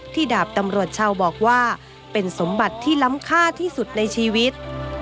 ดาบตำรวจชาวบอกว่าเป็นสมบัติที่ล้ำค่าที่สุดในชีวิต